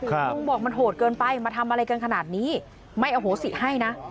ลุงบอกมันโหดเกินไปมาทำอะไรกันขนาดนี้ไม่อโหสิให้นะ